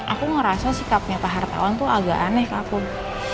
aku ngerasa sikapnya pak hartawan tuh agak aneh ke akun